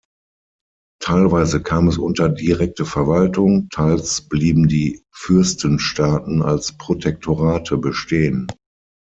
Teilweise kam es unter direkte Verwaltung, teils blieben die Fürstenstaaten als Protektorate bestehen.